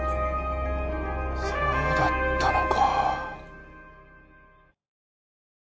そうだったのか。